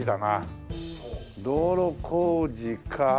道路工事か。